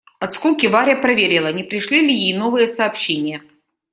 От скуки Варя проверила, не пришли ли ей новые сообщения.